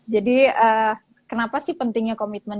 jadi kenapa sih pentingnya komitmen